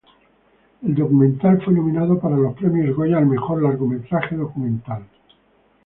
El documental fue nominado para los Premios Goya al mejor largometraje documental.